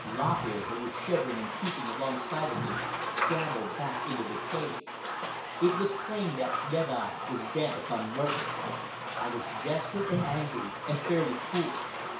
Lop Ear, who was shivering and peeping alongside of me, scrambled back into the cave. It was plain that Red Eye was bent upon murder. I was desperate and angry and fairly cool.